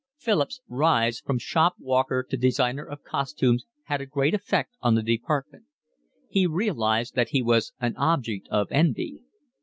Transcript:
Philip's rise from shop walker to designer of costumes had a great effect on the department. He realised that he was an object of envy.